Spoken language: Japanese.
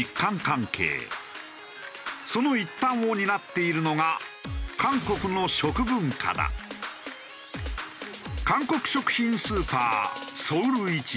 その一端を担っているのが韓国食品スーパーソウル市場。